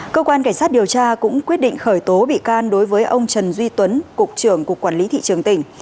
cơ quan cảnh sát điều tra cũng quyết định khởi tố bị can đối với ông trần duy tuấn cục trưởng cục quản lý thị trường tỉnh